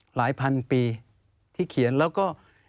หลายพันปีที่เขียนแล้วก็